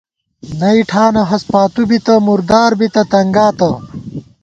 نئ ٹھانہ ہست پاتُو بِتہ ، مُردار بِتہ ، تنگاتہ